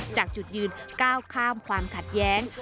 จากจุดยืนก้าวข้ามความขัดแย้ง